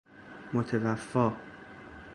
متوفی